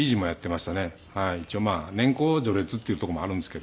一応まあ年功序列っていうとこもあるんですけど。